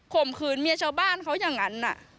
มขืนเมียชาวบ้านเขาอย่างนั้น